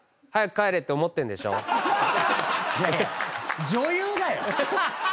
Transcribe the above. いやいや女優だよ！